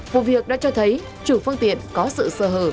vụ việc đã cho thấy chủ phương tiện có sự sơ hở